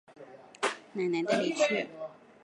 奶奶的离去